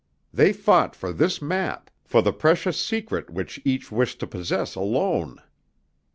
They fought for this map, for the precious secret which each wished to possess alone.